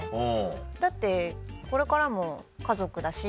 だってこれからも家族だし。